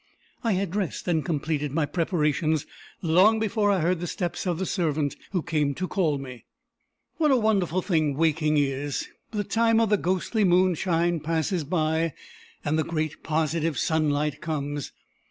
I had dressed and completed my preparations long before I heard the steps of the servant who came to call me. What a wonderful thing waking is! The time of the ghostly moonshine passes by, and the great positive sunlight comes.